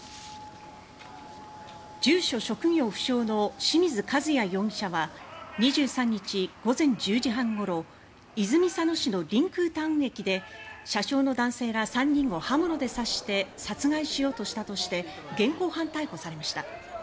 住所・職業不詳の清水和也容疑者は２３日、午前１０時半ごろ泉佐野市のりんくうタウン駅で車掌の男性ら３人を刃物で刺して殺害しようとしたとして現行犯逮捕されました。